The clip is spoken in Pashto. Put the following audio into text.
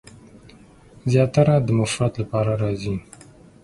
زیاتره د مفرد لپاره راځي.